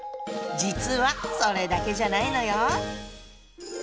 実はそれだけじゃないのよ。